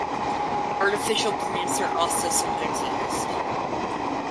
Artificial plants are also sometimes used.